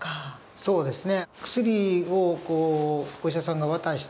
そうですね。